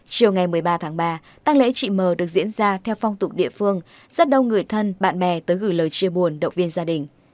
chiều ngày một mươi ba tháng ba tăng lễ chị m được diễn ra theo phong tục địa phương rất đông người thân bạn bè tới gửi lời chia buồn động viên gia đình